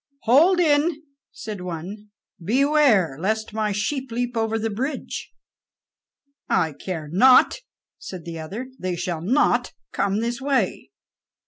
"Hold in," said one; "beware lest my sheep leap over the bridge." "I care not," said the other; "they shall not come this way."